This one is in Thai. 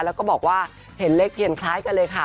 แล้วก็บอกว่าเห็นเลขเทียนคล้ายกันเลยค่ะ